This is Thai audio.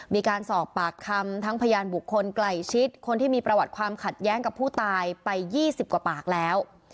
มีการสอบปากคำทั้งพยานบุคคลไกลชิดคนที่มีประวัติความขัดแย้งกับผู้ตายไป๒๐กว่าปากแล้ว